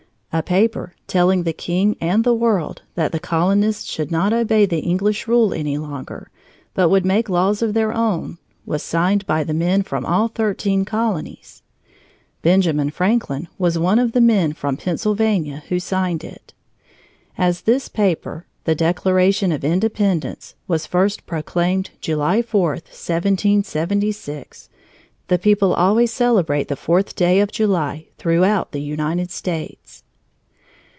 A paper telling the king and the world that the colonists should not obey the English rule any longer, but would make laws of their own was signed by men from all thirteen colonies. Benjamin Franklin was one of the men from Pennsylvania who signed it. As this paper The Declaration of Independence was first proclaimed July 4, 1776, the people always celebrate the fourth day of July throughout the United States.